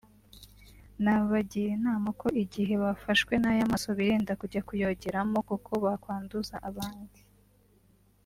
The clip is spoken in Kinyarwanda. nabagira inama ko igihe bafashwe n’aya maso birinda kujya kuyogeramo kuko bakwanduza abandi